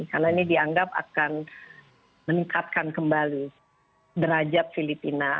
karena ini dianggap akan meningkatkan kembali derajat filipina